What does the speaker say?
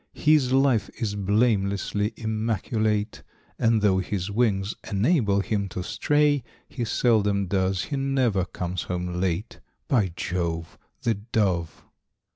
H is life is blamelessly immaculate, And though his wings enable him to stray, He seldom does. He never comes home late. By Jove! The Dove.